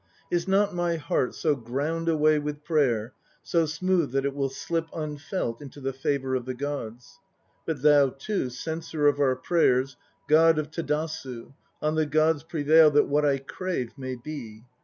Is not my heart so ground away with prayer, So smooth that it will slip Unfelt into the favour of the gods? But thou too, Censor of our prayers, God of Tadasu, 2 on the gods prevail That what I crave may be!